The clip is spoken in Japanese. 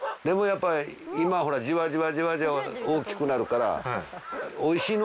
でもやっぱ今ほらじわじわじわじわ大きくなるから。